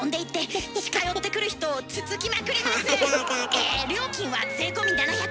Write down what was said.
え料金は税込み７００円。